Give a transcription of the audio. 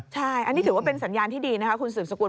ใช่อันนี้ถือว่าเป็นสัญญาณที่ดีนะคะคุณสืบสกุล